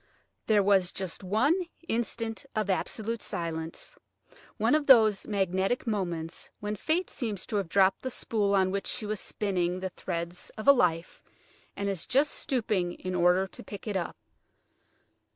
There was just one instant of absolute silence, one of those magnetic moments when Fate seems to have dropped the spool on which she was spinning the threads of a life, and is just stooping in order to pick it up.